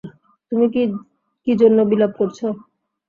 তুমি কি জন্য বিলাপ করছ?